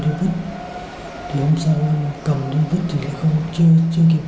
đi vứt thì ông xong ông cầm đi vứt thì không chưa chưa kịp